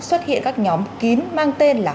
xuất hiện các nhóm kín mang tên là